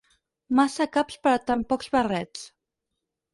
Massa caps per a tan pocs barrets.